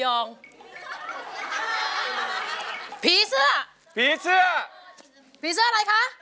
รองได้ให้ลาด